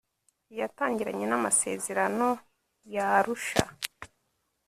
yatangiranye n’amasezerano ya Arusha